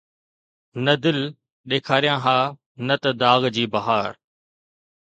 نه دل، ڏيکاريان ها نه ته داغ جي بهار